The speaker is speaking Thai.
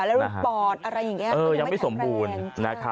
แล้วลูกปอดอะไรอย่างนี้ยังไม่สมบูรณ์